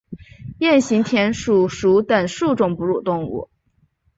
鼹形田鼠属等数种哺乳动物。